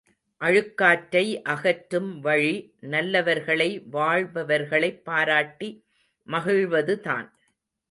அழுக்காற்றை அகற்றும் வழி, நல்லவர்களை வாழ்பவர்களைப் பாராட்டி மகிழ்வது தான்.